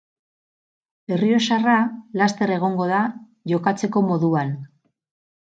Errioxarra laster egongo da jokatzeko moduan.